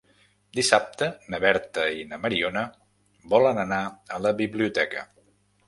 Dissabte na Berta i na Mariona volen anar a la biblioteca.